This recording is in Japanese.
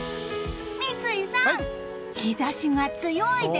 三井さん、日差しが強いです！